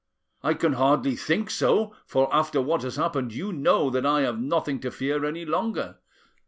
I can hardly think so, for after what has happened you know that I have nothing to fear any longer.